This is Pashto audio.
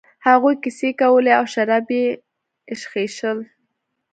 هغوی کیسې کولې او شراب یې ایشخېشل.